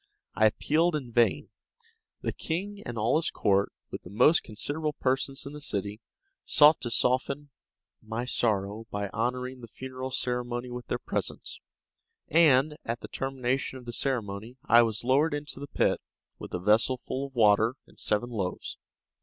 I appealed in vain. The king and all his court, with the most considerable persons in the city, sought to soften my sorrow by honoring the funeral ceremony with their presence; and, at the termination of the ceremony, I was lowered into the pit, with a vessel full of water and seven loaves.